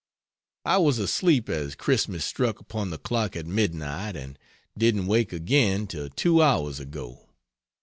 I was asleep as Christmas struck upon the clock at mid night, and didn't wake again till two hours ago.